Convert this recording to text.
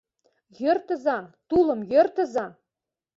— Йӧртыза... тулым йӧртыза!